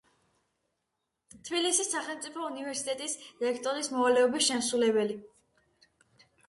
თბილისის სახელმწიფო უნივერსიტეტის რექტორის მოვალეობის შემსრულებელი.